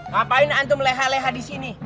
ngapain antum leha leha disini